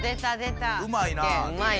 うまいよ。